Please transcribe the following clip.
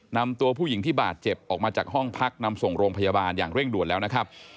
นำตัวผู้หญิงที่บาดเจ็บออกมาจากห้องพักนำส่งโรงพยาบาลอย่างเร่งด่วนแล้วนะครับ